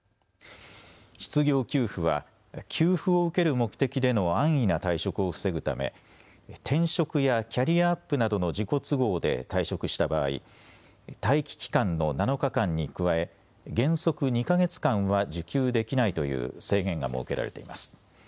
失業給付は給付を受ける目的での安易な退職を防ぐため転職やキャリアアップなどの自己都合で退職した場合、待期期間の７日間に加え原則２か月間は受給できないという制限が設けられています。